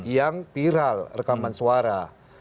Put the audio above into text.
yang viral rekaman suara